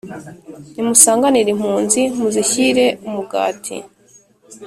Nimusanganire impunzi, muzishyire umugati,